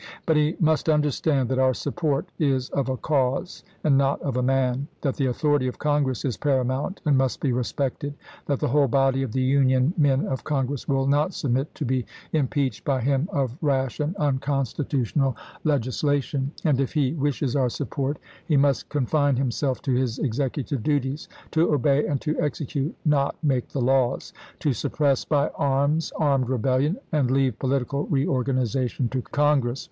But he must understand that our support is of a cause and not of a man ; that the authority of Congress is paramount and must be respected; that the whole body of the Union men of Congress will not submit to be im peached by him of rash and unconstitutional legis, THE WADE DAVIS MANIFESTO 127 lation; and if he wishes our support he must con chap. v. fine himself to his executive duties — to obey and to execute, not make the laws — to suppress by arms armed rebellion, and leave political reorganiza tion to Congress.